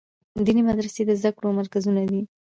دیني مدرسې د زده کړو مرکزونه دي.